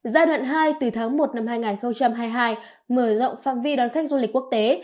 giai đoạn hai từ tháng một năm hai nghìn hai mươi hai mở rộng phạm vi đón khách du lịch quốc tế